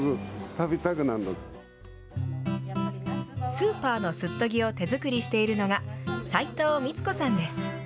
スーパーのすっとぎを手作りしているのが、斎藤みつ子さんです。